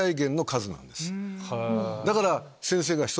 だから。